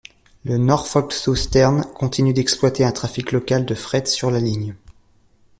Le Norfolk Southern continue d'exploiter un trafic local de fret sur la ligne.